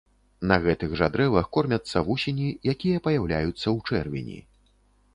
На гэтых жа дрэвах кормяцца вусені, якія паяўляюцца ў чэрвені.